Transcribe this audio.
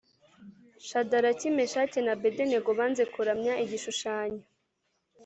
Shadaraki, Meshaki na Abedenego banze kuramya igishushanyo